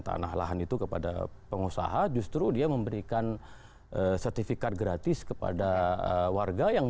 tanah lahan itu kepada pengusaha justru dia memberikan sertifikat gratis kepada warga yang